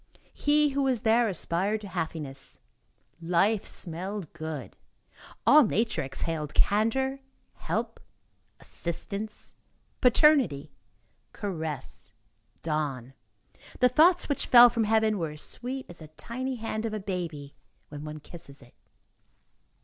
He who was there aspired to happiness; life smelled good; all nature exhaled candor, help, assistance, paternity, caress, dawn. The thoughts which fell from heaven were as sweet as the tiny hand of a baby when one kisses it.